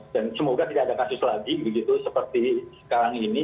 dan semoga tidak ada kasus lagi begitu seperti sekarang ini